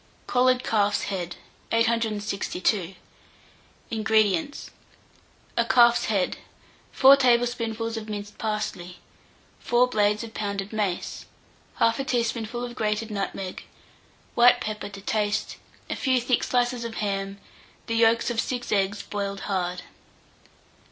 COLLARED CALF'S HEAD. 862. INGREDIENTS. A calf's head, 4 tablespoonfuls of minced parsley, 4 blades of pounded mace, 1/2 teaspoonful of grated nutmeg, white pepper to taste, a few thick slices of ham, the yolks of 6 eggs boiled hard.